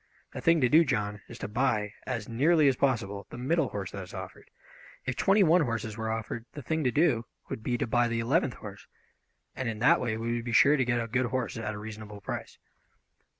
The thing to do, John, is to buy, as nearly as possible, the middle horse that is offered. If twenty one horses were offered the thing to do would be to buy the eleventh horse, and in that way we would be sure to get a good horse at a reasonable price."